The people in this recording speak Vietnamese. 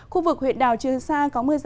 khu vực huyện đảo trường sa có mưa rơi